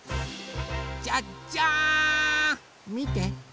じゃじゃん！みて。